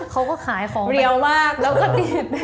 เขาก็ขายของเรียวมากแล้วก็ติด